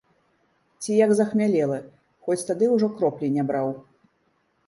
Ці як захмялелы, хоць тады ўжо кроплі не браў.